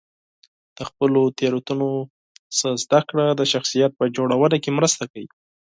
د خپلو تېروتنو څخه زده کړه د شخصیت په جوړونه کې مرسته کوي.